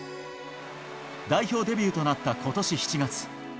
代表デビューとなったことし７月。